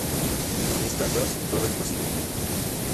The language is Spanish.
Con estos dos, todo es posible.